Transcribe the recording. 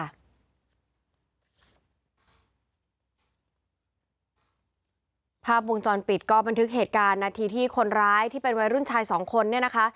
ภาพวงจรปิดก็บันทึกเหตุการณ์นาทีที่คนร้ายที่เป็นวัยรุ่นชายสองคนเนี่ยนะคะ